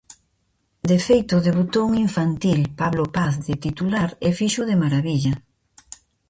De feito, debutou un infantil, Pablo Paz, de titular e o fixo de marabilla.